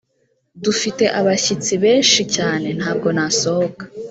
dufite abashyitsi beshi cyane ntabwo nasohoka